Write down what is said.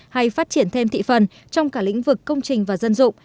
hay phát triển thêm thị phần trong cả lĩnh vực công trình và dân dụng